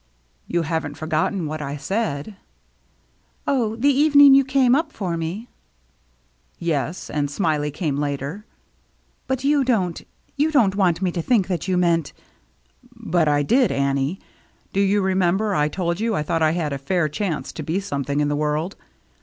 " You haven't forgotten what I said ?"" Oh, the evening you came up for me ?"" Yes, and Smiley came later." "But you don't — you don't want me to think that you meant —"" But I did, Annie. Do you remember I told you I thought I had a fair chance to be something in the world?